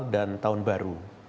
dan tahun baru